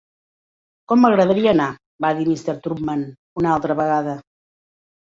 "Com m'agradaria anar", va dir Mr. Tupman una altra vegada.